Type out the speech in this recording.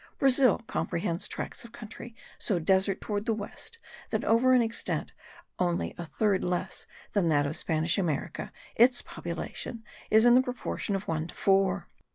Brazil comprehends tracts of country so desert toward the west that over an extent only a third less than that of Spanish America its population is in the proportion of one to four.